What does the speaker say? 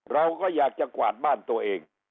เราก็อยากจะกวาดบ้านตัวเอง